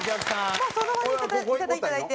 もうその場にいていただいて。